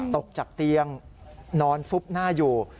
ตกจากเตียงนอนฟุบหน้าอยู่